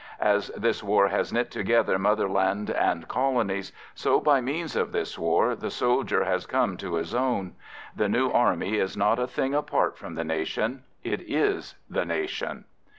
As this war has knit together motherland and colonies, so, by means of this war, the soldier has come to his own. The new army is not a thing apart from the nation: it is the nation.